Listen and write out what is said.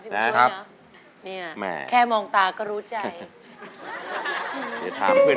แม่แค่มองตาก็รู้ใจ